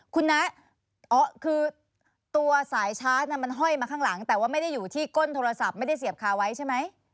คุณนะคือตัวสายชาร์จมันห้อยมาข้างหลังแต่ว่าไม่ได้อยู่ที่ก้นโทรศัพท์ไม่ได้เสียบคาไว้ใช่ไหม